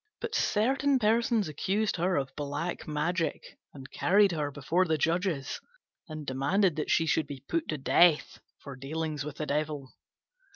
But certain persons accused her of black magic and carried her before the judges, and demanded that she should be put to death for dealings with the Devil.